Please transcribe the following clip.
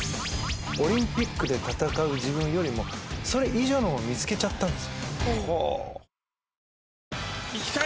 オリンピックで戦う自分よりもそれ以上のもの見つけちゃったんですよ。